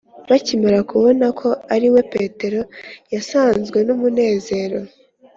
bakimara kubona ko ari we, petero yasazwe n’umunezero